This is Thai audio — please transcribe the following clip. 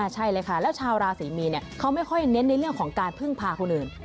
ใช่เลยค่ะแล้วชาวราศรีมีนเขาไม่ค่อยเน้นในเรื่องของการพึ่งพาคนอื่น